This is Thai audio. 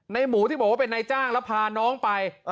หมูที่บอกว่าเป็นนายจ้างแล้วพาน้องไป